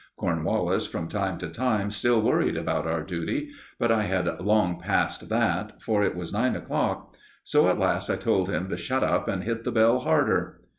Cornwallis from time to time still worried about our duty, but I had long passed that, for it was nine o'clock. So at last I told him to shut up and hit the bell harder.